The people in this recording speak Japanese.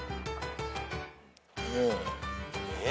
えっ？